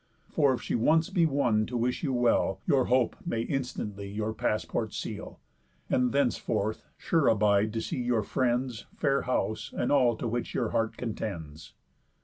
For, if she once be won to wish you well, Your hope may instantly your passport seal, And thenceforth sure abide to see your friends, Fair house, and all to which your heart contends."